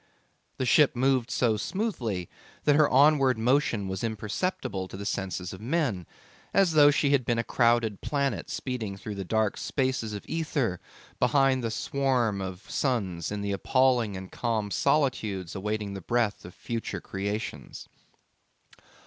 The ship moved so smoothly that her onward motion was imperceptible to the senses of men, as though she had been a crowded planet speeding through the dark spaces of ether behind the swarm of suns, in the appalling and calm solitudes awaiting the breath of future creations.